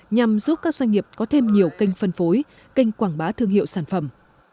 nhằm giúp các doanh nghiệp có thêm nhiều kênh phân phối kênh quảng bá thương hiệu sản phẩm